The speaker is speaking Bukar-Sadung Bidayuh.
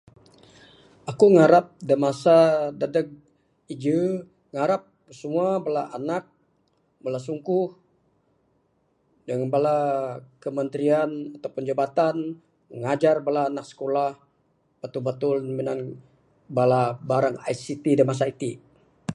Aku ngarap da masa dadeg ije ngarap semua bala anak bala sungkuh dangan bala kementerian dangan jabatan ngajar bala anak skulah batul batul minan bala barang ICT da masa iti.